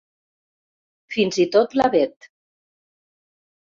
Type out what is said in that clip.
Fins i tot la Bet.